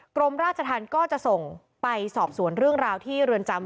กรมราชธรรมก็จะส่งไปสอบสวนเรื่องราวที่เรือนจำ